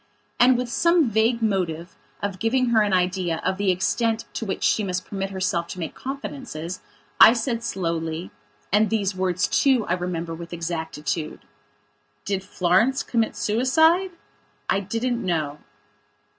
And with some vague motive of giving her an idea of the extent to which she must permit herself to make confidences, I said slowlyand these words too I remember with exactitude "Did Florence commit suicide? I didn't know."